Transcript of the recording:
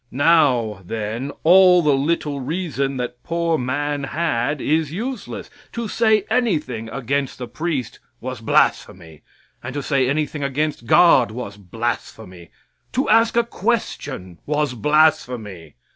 Now, then, all the little reason that poor man had is useless. To say anything against the priest was blasphemy and to say anything against God was blasphemy to ask a question was blasphemy.